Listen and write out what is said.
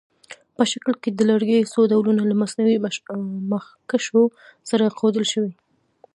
په شکل کې د لرګیو څو ډولونه له مصنوعي مخکشونو سره ښودل شوي.